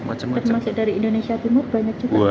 masa masa dari indonesia timur banyak juga